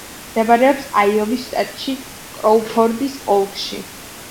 მდებარეობს აიოვის შტატში, კროუფორდის ოლქში.